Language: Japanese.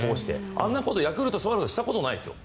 あんなことヤクルトスワローズでしたことないですよ。